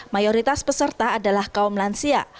mayoritas peserta adalah kaum lansia